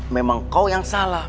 memang kau yang salah